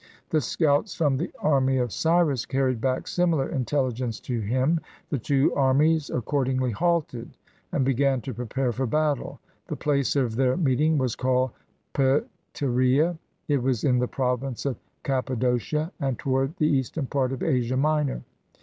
The scouts from the army of Cyrus carried back similar intelligence to him. The two armies accordingly halted and began to prepare for battle. The place of their meet ing was called Pteria. It was in the province of Cappa docia, and toward the eastern part of Asia Minor.